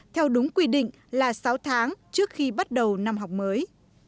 theo đúng quy định là sáu tháng trước khi bắt đầu năm học mới